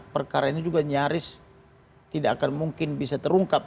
perkara ini juga nyaris tidak akan mungkin bisa terungkap